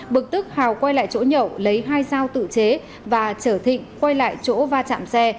bực tức hào quay lại chỗ nhậu lấy hai dao tự chế và trở thịnh quay lại chỗ va chạm xe